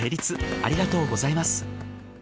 ありがとうございます。